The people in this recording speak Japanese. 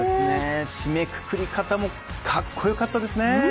締めくくり方もかっこよかったですね。